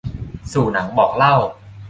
สู่หนังบอกเล่า